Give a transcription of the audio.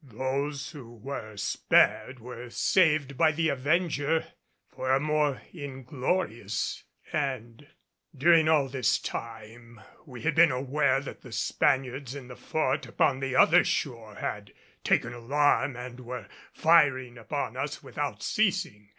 Those who were spared were saved by the Avenger for a more inglorious end. During all this time we had been aware that the Spaniards in the fort upon the other shore had taken alarm and were firing upon us without ceasing.